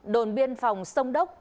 đồn biên phòng sông đốc